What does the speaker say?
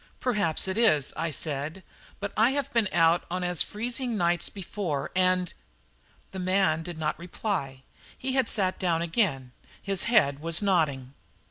"Perhaps it is," I said; "but I have been out on as freezing nights before, and " The man did not reply; he had sat down again; his head was nodding.